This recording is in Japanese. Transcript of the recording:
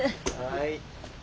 はい。